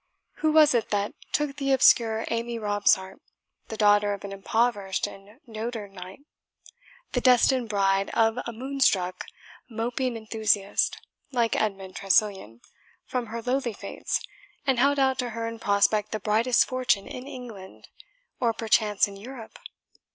Who was it that took the obscure Amy Robsart, the daughter of an impoverished and dotard knight the destined bride of a moonstruck, moping enthusiast, like Edmund Tressilian, from her lowly fates, and held out to her in prospect the brightest fortune in England, or perchance in Europe?